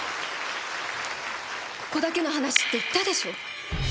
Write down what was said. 「ここだけの話」って言ったでしょ！